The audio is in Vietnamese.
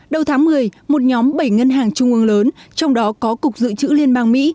đầu tháng một mươi một nhóm bảy ngân hàng trung ương lớn trong đó có cục dự trữ liên bang mỹ